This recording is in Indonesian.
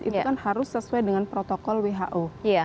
itu kan harus sesuai dengan protokol who